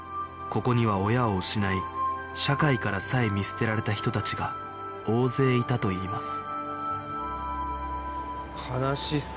ここには親を失い社会からさえ見捨てられた人たちが大勢いたといいます